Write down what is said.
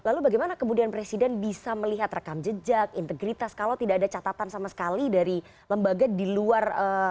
lalu bagaimana kemudian presiden bisa melihat rekam jejak integritas kalau tidak ada catatan sama sekali dari lembaga di luar